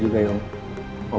terima kasih juga om